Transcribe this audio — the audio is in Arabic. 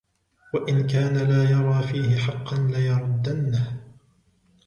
وَإِنْ كَانَ لَا يَرَى فِيهِ حَقًّا لَيَرُدَّنَّهُ